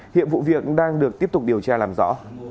hiện vụ việc đang được tiếp tục điều tra làm rõ